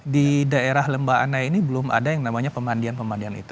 di daerah lembahanai ini belum ada yang namanya pemandian pemandian itu